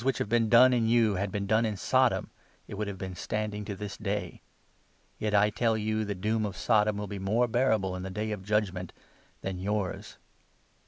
which have been done in you had been done in Sodom, it would have been standing to this day* Yet, I tell you, the 24 doom of Sodom will be more bearable in the ' Day of J udge ment' than yours."